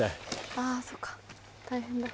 あそっか大変だ。